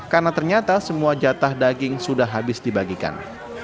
karena ternyata semua jatah daging sudah habis dibagikan